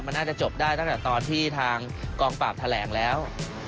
มันน่าจะจบได้ตั้งแต่ตอนที่ทางกองปราบแถลงแล้ว